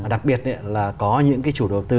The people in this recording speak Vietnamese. đặc biệt là có những cái chủ đầu tư